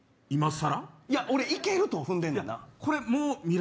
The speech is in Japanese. いけると踏んでんねんな。